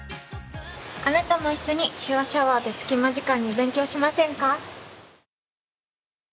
あなたも一緒に「手話シャワー」で隙間時間に勉強しませんか？